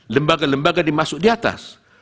lembaga lembaga dimasuk di atas